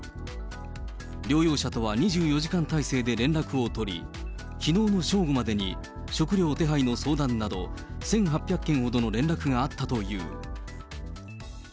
療養者とは２４時間態勢で連絡を取り、きのうの正午までに食料手配の相談など、１８００件ほどの連絡があったという。